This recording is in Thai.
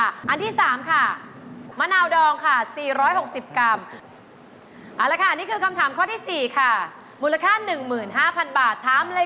อันที่๓ค่ะมะนาวดองค่ะ๔๖๐กรัม